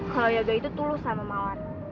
kalau yoga itu tulus sama mawar